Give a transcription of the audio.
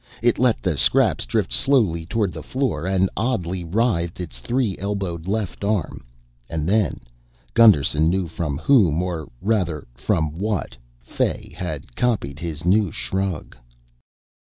It let the scraps drift slowly toward the floor and oddly writhed its three elbowed left arm ... and then Gusterson knew from whom, or rather from what, Fay had copied his new shrug.